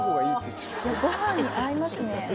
ご飯に合いますね。